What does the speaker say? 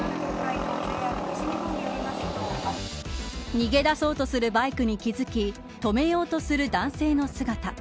逃げ出そうとするバイクに気付き止めようとする男性の姿。